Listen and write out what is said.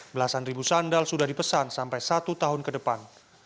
belasan ribu sandal sudah dipesan sampai satu tahun ke depan